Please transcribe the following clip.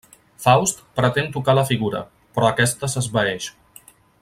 Faust pretén tocar la figura, però aquesta s'esvaeix.